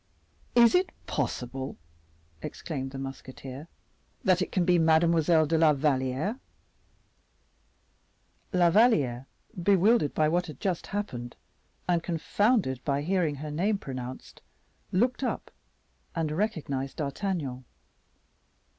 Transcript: "Is it possible," exclaimed the musketeer, "that it can be Mademoiselle de la Valliere?" La Valliere, bewildered by what had just happened, and confounded by hearing her name pronounced, looked up and recognized D'Artagnan.